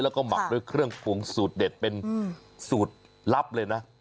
แล้วก็หมักด้วยเครื่องปรุงสูตรเด็ดเป็นสูตรลับเลยนะ